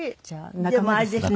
でもあれですね。